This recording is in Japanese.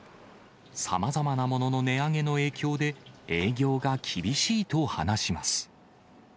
さまざまなものの値上げの影響で、営業が厳しいと話します。